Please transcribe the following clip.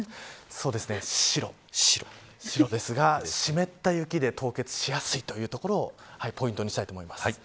そうですね、白ですが湿った雪で凍結しやすいということをポイントにしたいと思います。